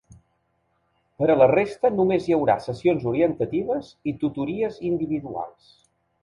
Per a la resta només hi haurà sessions orientatives i tutories individuals.